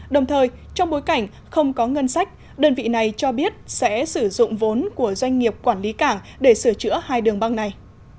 đồng thời trong bối cảnh không có ngân sách đơn vị này cho biết sẽ sử dụng vốn của doanh nghiệp quản lý cảng để sửa chữa hai đường băng này